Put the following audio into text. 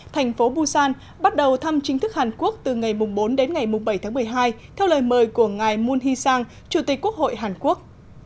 thành phố busan bắt đầu thăm chính thức hàn quốc từ ngày bốn đến ngày bảy tháng một mươi hai theo lời mời của ngài moon hee sang chủ tịch quốc hội hàn quốc